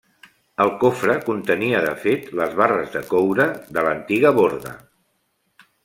El cofre contenia de fet les barres de coure de l'antiga borda.